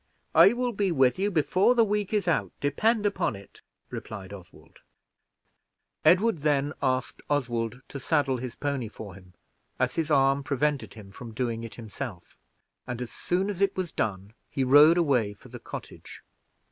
"I will be with you before the week is out, depend upon it," replied Oswald. Edward then asked Oswald to saddle his pony for him, as his arm prevented him from doing it himself, and, as soon as it was done, he rode away from the cottage.